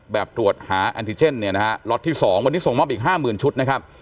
แบบตรวจหาแอลทิเจนเนี่ยนะฮะล็อตที่สองวันนี้ส่งมอบอีกห้ามื่นชุดนะครับ